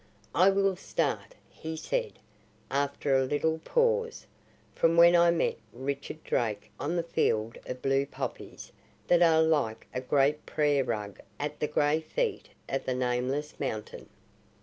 "I will start," he said, after a little pause, "from when I met Richard Drake on the field of blue poppies that are like a great prayer rug at the gray feet of the nameless mountain."